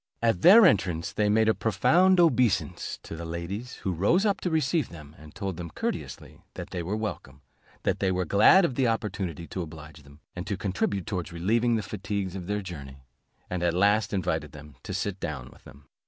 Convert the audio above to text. At their entrance they made a profound obeisance to the ladies, who rose up to receive them, and told them courteously that they were welcome, that they were glad of the opportunity to oblige them, and to contribute towards relieving the fatigues of their journey, and at last invited them to sit down with them.